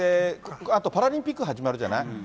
あとパラリンピック始まるじゃない。